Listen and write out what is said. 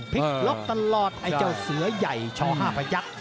พิกล็อกไอ้เจ้าเสืือใหญ่ชอ๕ประยักษณ์